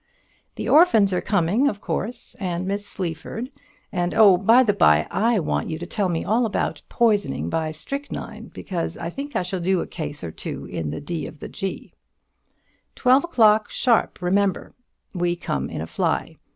"The orphans are coming, of course, and Miss Sleaford; and, oh, by the bye, I want you to tell me all about poisoning by strychnine, because I think I shall do a case or two in 'The D. of the G.' "Twelve o'clock, sharp time, remember! We come in a fly.